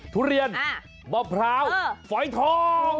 ทุเรียนมะพร้าวฝอยทอง